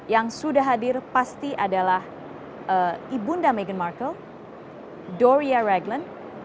yang sudah hadir pasti adalah ibunda meghan markle doria ragland